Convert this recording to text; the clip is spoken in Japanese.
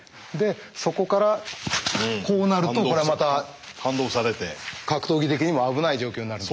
そこからこうなると格闘技的にも危ない状況になるので。